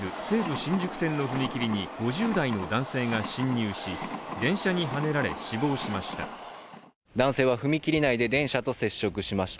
新宿線の踏切に５０代の男性が進入し電車にはねられ死亡しました。